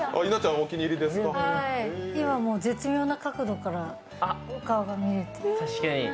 今、もう絶妙な角度から顔が見えて。